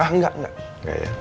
ah enggak enggak